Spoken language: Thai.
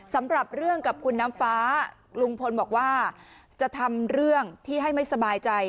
สำหรับเรื่องกับคุณน้ำฟ้าลุงพลบอกว่าจะทำเรื่องที่ให้ไม่สบายใจ